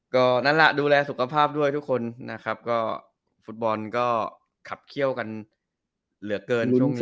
ก็นั่นแหละดูแลสุขภาพด้วยทุกคนนะครับก็ฟุตบอลก็ขับเขี้ยวกันเหลือเกินช่วงนี้